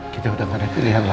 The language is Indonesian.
kita udah gak ada pilihan lagi mak